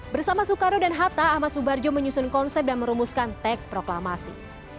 bersama soekarno dan hatta ahmad subarjo menyusun konsep dan merumuskan teks proklamasi